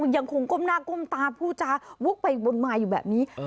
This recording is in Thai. ยังคงก้มหน้าก้มตาผู้จาวกไปวนมาอยู่แบบนี้